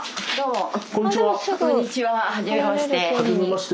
こんにちははじめまして。